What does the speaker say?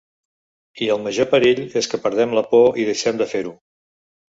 I el major perill és que perdem la por i deixem de fer-ho.